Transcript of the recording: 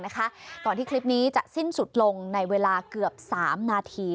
ก่อนที่คลิปนี้จะสิ้นสุดลงในเวลาเกือบ๓นาที